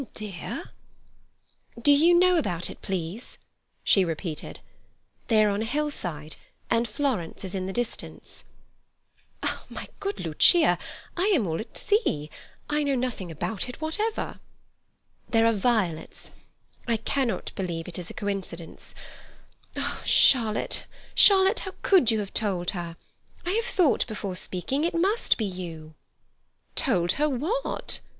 "Dear—?" "Do you know about it, please?" she repeated. "They are on a hillside, and Florence is in the distance." "My good Lucia, I am all at sea. I know nothing about it whatever." "There are violets. I cannot believe it is a coincidence. Charlotte, Charlotte, how could you have told her? I have thought before speaking; it must be you." "Told her what?"